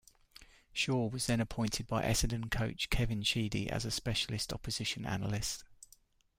Shaw was then appointed by Essendon coach, Kevin Sheedy as a specialist opposition analyst.